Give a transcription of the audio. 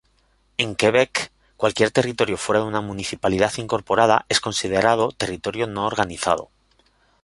En Quebec, cualquier territorio fuera de una municipalidad incorporada, es considerado territorio no organizado.